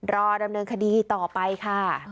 รอดำเนินคดีต่อไปค่ะ